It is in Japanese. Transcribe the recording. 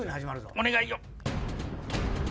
お願いよ。